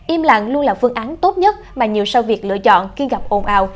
im lặng luôn là phương án tốt nhất mà nhiều sao việc lựa chọn khi gặp ồn ào